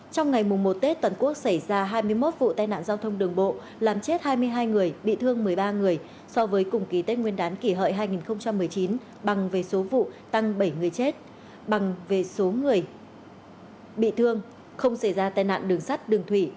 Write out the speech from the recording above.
trong ngày một tết toàn quốc xảy ra hai mươi một vụ tai nạn giao thông đường bộ làm chết hai mươi hai người bị thương một mươi ba người so với cùng kỳ tết nguyên đán kỷ hợi hai nghìn một mươi chín bằng về số vụ tăng bảy người chết bằng về số người bị thương không xảy ra tai nạn đường sắt đường thủy